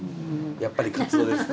やっぱりカツオですか。